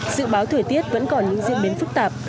dự báo thời tiết vẫn còn những diễn biến phức tạp